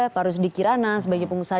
pak rusdi kirana sebagai pengusaha